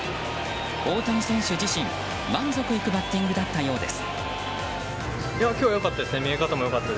大谷選手自身、満足いくバッティングだったようです。